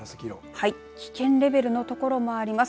危険レベルのところもあります。